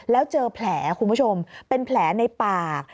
แล้วเจอแผลคุณผู้ชมเป็นแผลในปาก